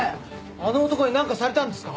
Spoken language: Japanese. あの男に何かされたんですか？